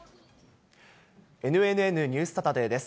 ＮＮＮニュースサタデーです。